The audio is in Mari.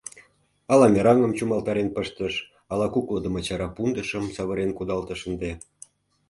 — Ала мераҥым чумалтарен пыштыш, ала куклыдымо чара пундышым савырен кудалтыш ынде!